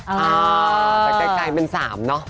อ๋อแต่ใกล้เป็น๓เนอะ